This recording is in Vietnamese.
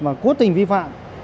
mà cố tình vi phạm